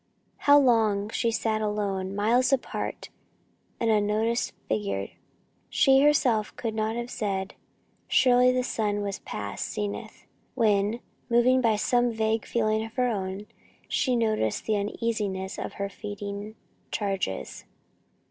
How long she sat alone, miles apart, an unnoticed figure, she herself could not have said surely the sun was past zenith when, moved by some vague feeling of her own, she noticed the uneasiness of her feeding charges.